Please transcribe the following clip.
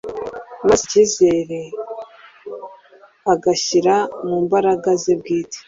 maze icyizere agishyira mu mbaraga ze bwite